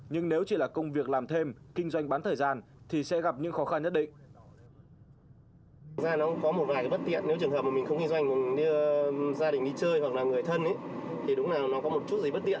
nhưng nếu chỉ là công việc làm thêm kinh doanh bán thời gian thì sẽ gặp những khó khăn nhất định